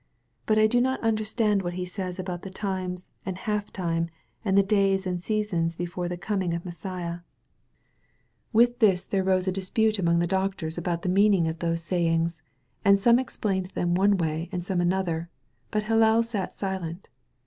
But I do not understand what he says about the times and a half time and the days and the seasons before the coming of Messiah." 303 THE VALLEY OF VISION T^th tills there rose a dispute among the doctors about the meaning of those sayings, and some ex plained them one way and some another, but Hillel sat silent.